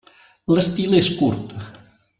L'estil és curt.